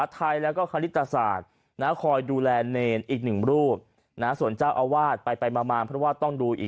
ทำไม